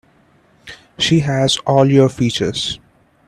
She has all your features.